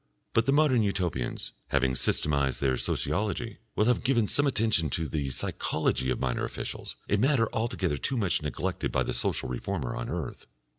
But the modern Utopians, having systematised their sociology, will have given some attention to the psychology of minor officials, a matter altogether too much neglected by the social reformer on earth.